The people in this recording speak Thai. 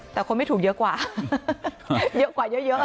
แต่คนไม่ถูกเยอะกว่าเยอะกว่าเยอะ